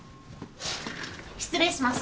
失礼します。